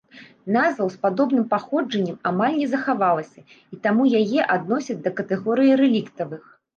Назваў з падобным паходжаннем амаль не захавалася, і таму яе адносяць да катэгорыі рэліктавых.